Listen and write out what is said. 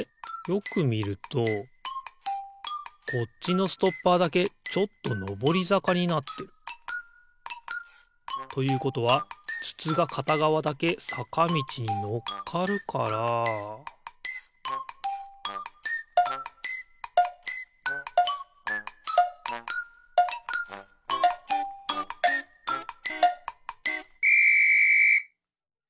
よくみるとこっちのストッパーだけちょっとのぼりざかになってる。ということはつつがかたがわだけさかみちにのっかるからピッ！